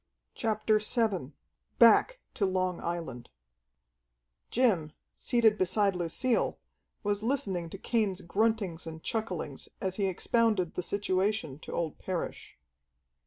CHAPTER VII Back to Long Island Jim, seated beside Lucille, was listening to Cain's gruntings and chucklings as he expounded the situation to old Parrish.